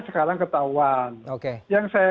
sekarang ketahuan yang saya